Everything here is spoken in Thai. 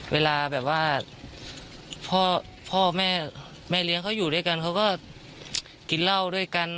เวลาแบบว่าพ่อแม่เลี้ยงเขาอยู่ด้วยกันเขาก็กินเหล้าด้วยกัน